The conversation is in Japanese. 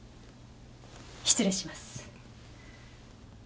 失礼します。